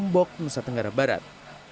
bok musa tenggara barat